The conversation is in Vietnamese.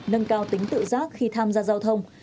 nâng cao tính tự giác khi tham gia giao thông